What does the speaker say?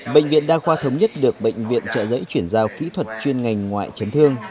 bệnh viện đa khoa thống nhất được bệnh viện trợ giấy chuyển giao kỹ thuật chuyên ngành ngoại chấn thương